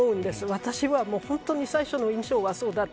私は本当に最初の印象はそうだった。